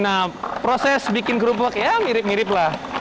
nah proses bikin kerupuk ya mirip mirip lah